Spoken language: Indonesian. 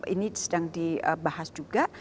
ini sedang dibahas juga